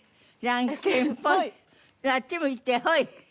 あっち向いてホイ。